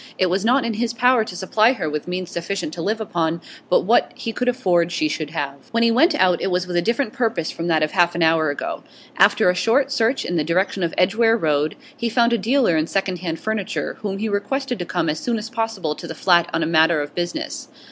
It was not in his power to supply her with means sufficient to live upon, but what he could afford she should have. When he went out, it was with a different purpose from that of half an hour ago. After a short search in the direction of Edgware Road, he found a dealer in second hand furniture, whom he requested to come as soon as possible to the flat on a matter of business.